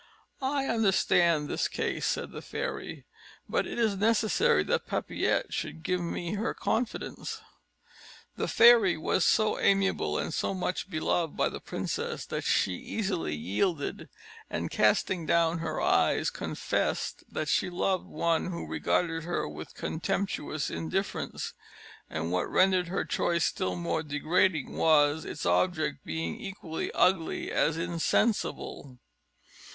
"I understand this case," said the fairy; "but it is necessary that Papillette should give me her confidence." The fairy was so amiable and so much beloved by the princess, that she easily yielded; and casting down her eyes, confessed that she loved one who regarded her with contemptuous indifference; and what rendered her choice still more degrading was, its object being equally ugly as insensible.